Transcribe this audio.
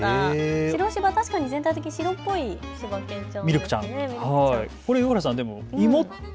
白しば、確かに全体的に白っぽいしば犬ちゃん。